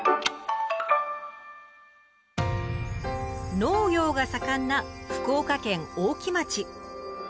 農業が盛んな福岡県大木町。